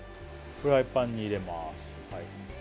フライパンに入れます